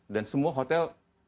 dan semua hotel